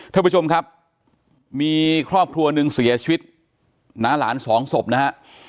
ท่านผู้ชมครับมีครอบครัวหนึ่งเสียชีวิตน้าหลานสองศพนะฮะ